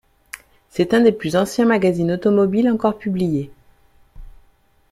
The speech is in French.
C'est un des plus anciens magazines automobile encore publié.